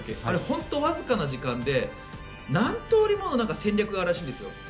あれ、本当にわずかな時間で何通りもの戦略があるらしいんですよ。